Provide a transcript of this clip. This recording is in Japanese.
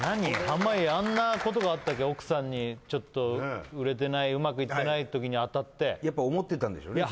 濱家あんなことがあったわけ奥さんにちょっと売れてないうまくいっていない時に当たってやっぱ思ってたんでしょうね